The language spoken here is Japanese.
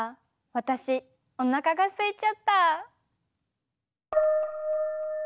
私おなかがすいちゃった。